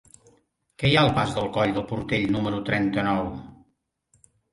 Què hi ha al pas del Coll del Portell número trenta-nou?